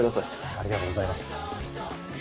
ありがとうございます。